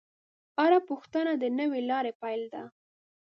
هره پوښتنه د نوې لارې پیل دی.